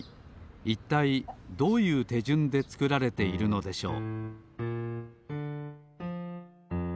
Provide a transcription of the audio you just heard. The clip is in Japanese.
いったいどういうてじゅんでつくられているのでしょう？